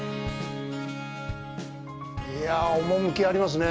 いやあ、趣ありますね。